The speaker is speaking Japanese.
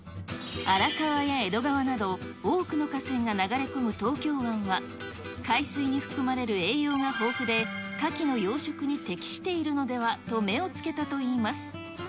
荒川や江戸川など、多くの河川が流れ込む東京湾は、海水に含まれる栄養が豊富で、カキの養殖に適しているのではと目をつけたといいます。